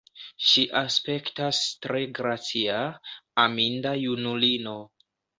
Ŝi aspektas tre gracia, aminda junulino.